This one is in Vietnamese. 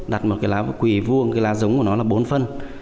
đặt một cái lá quỳ vuông cái lá giống của nó là bốn phân